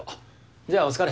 じゃあお疲れ。